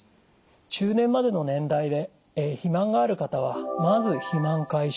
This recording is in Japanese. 中年までの年代で肥満がある方はまず肥満解消